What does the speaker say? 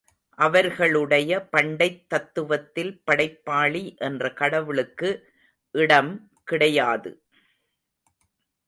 அவர்களுடைய பண்டைத் தத்துவத்தில் படைப்பாளி என்ற கடவுளுக்கு இடம் கிடையாது.